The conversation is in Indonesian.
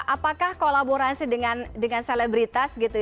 apakah kolaborasi dengan selebritas